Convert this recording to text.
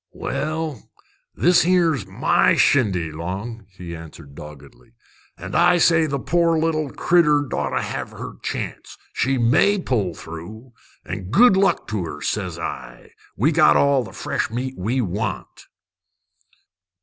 "This 'ere's my shindy, Long," he answered doggedly. "An' I say the poor little critter 'd oughter have her chance. She may pull through. An' good luck to her, ses I! We got all the fresh meat we want."